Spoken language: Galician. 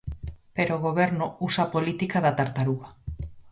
Pero o Goberno usa a política da tartaruga.